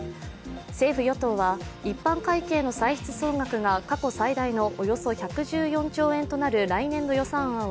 政府・与党は一般会計の歳出総額が過去最大のおよそ１１４兆円となる来年度予算案を